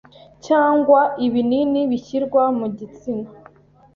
cyangwa ibinini bishyirwa mu gitsina